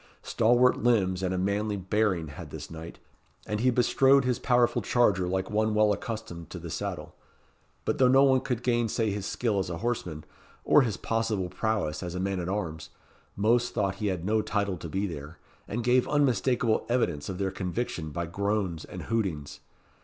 Stalwart limbs and a manly bearing had this knight, and he bestrode his powerful charger like one well accustomed to the saddle; but though no one could gainsay his skill as a horseman, or his possible prowess as a man at arms, most thought he had no title to be there, and gave unmistakable evidence of their conviction by groans and hootings.